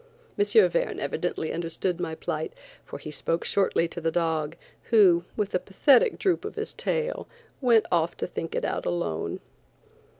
M. Verne evidently understood my plight, for he spoke shortly to the dog, who, with a pathetic droop of his tail, went off to think it out alone.